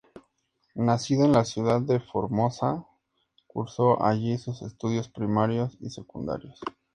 Nacida en la ciudad de Formosa cursó allí sus estudios primarios y secundarios.